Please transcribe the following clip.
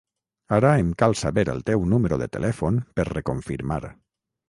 Ara em cal saber el teu número de telèfon per reconfirmar.